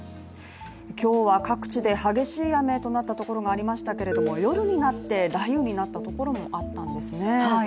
今日は各地で激しい雨となったところがありましたけれども夜になって、雷雨になったところもあったんですね。